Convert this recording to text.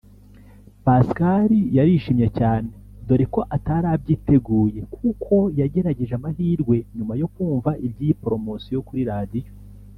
Pascal yarishimye cyane dore ko atari abyiteguye kuko yagerageje amahirwe nyuma yo kumva iby’iyi poromosiyo kuri radiyo